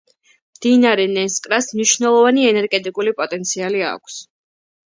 მდინარე ნენსკრას მნიშვნელოვანი ენერგეტიკული პოტენციალი აქვს.